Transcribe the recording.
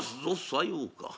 「さようか。